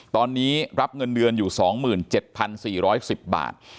ตอนนี้รับเงินเดือนอยู่๒๗๔๑๐บาท